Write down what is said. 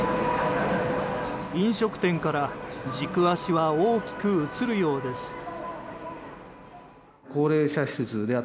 飲食店から軸足は大きく移るようです。